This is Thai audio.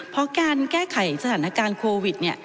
เพราะการแก้ไขสถานการณ์โควิดเนี่ย